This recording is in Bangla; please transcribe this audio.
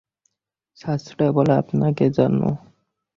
শাস্ত্রে বলে, আপনাকে জানো।